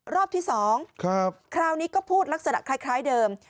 รอบที่๒คราวนี้ก็พูดลักษณะคล้ายเดิม